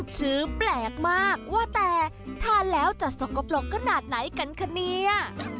ซื้อแปลกมากว่าแต่ทานแล้วจะสกปรกขนาดไหนกันคะเนี่ย